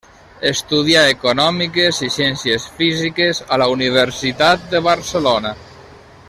Estudià Econòmiques i Ciències Físiques a la Universitat de Barcelona.